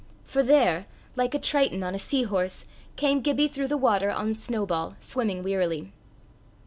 For there, like a triton on a sea horse, came Gibbie through the water on Snowball, swimming wearily.